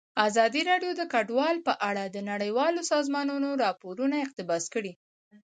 ازادي راډیو د کډوال په اړه د نړیوالو سازمانونو راپورونه اقتباس کړي.